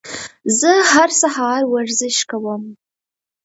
زه هر سهار ورزش کوم.